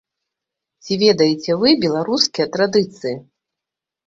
Ці ведаеце вы беларускія традыцыі?